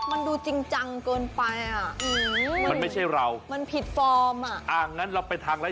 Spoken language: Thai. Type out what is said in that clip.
มันดูจริงจังเกินไป